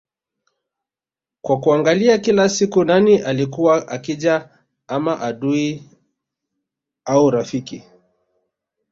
kwa kuangalia kila siku nani alikuwa akija ama adui au rafiki